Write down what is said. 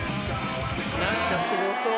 何かすごそう。